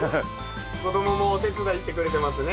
子供もお手伝いしてくれてますね。